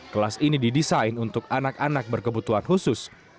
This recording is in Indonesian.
kelas ini didesain untuk anak anak berkebutuhan khusus